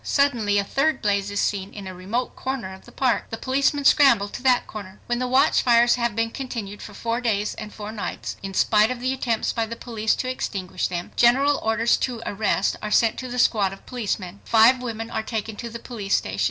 Suddenly a third blaze is seen in a remote corner of the park. The policemen scramble to that corner. When the watchfires have been continued for four days and four nights,, in spite of the attempts by the police to extinguish them, general orders to arrest are sent to the squad of policemen. Five women are taken to the police station.